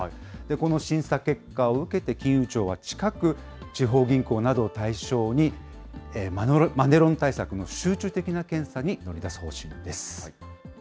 この審査結果を受けて、金融庁は近く、地方銀行などを対象に、マネロン対策の集中的な検査に乗り出す方針です。